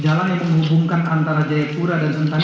jalan yang menghubungkan antara jayapura dan sentani